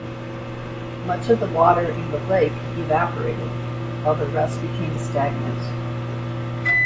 Much of the water in the lake evaporated, while the rest became stagnant.